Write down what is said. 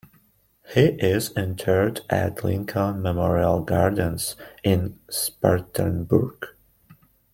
He is interred at Lincoln Memorial Gardens, in Spartanburg.